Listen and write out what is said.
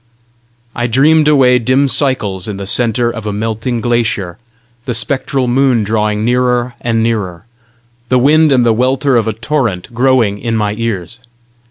I dreamed away dim cycles in the centre of a melting glacier, the spectral moon drawing nearer and nearer, the wind and the welter of a torrent growing in my ears.